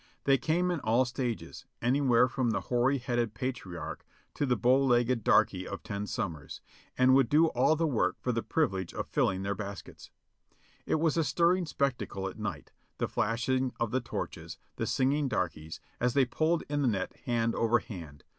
They came in all stages, anywhere from the hoary headed patriarch to the bow legged darky of ten summers, and would do all the work for the privilege of filling their baskets. It was a stirring spectacle at night — the flashing of the torches, the singing darkies, as they pulled in the net hand over hand.